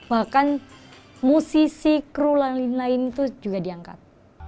bahkan musisi kru lain lain itu juga diangkat